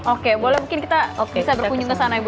oke boleh mungkin kita bisa berkunjung ke sana ibu